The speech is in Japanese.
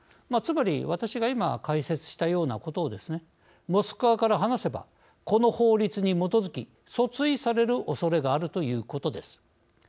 つまり私が今解説したようなことをモスクワから話せばこの法律に基づき訴追されるおそれがあるということです。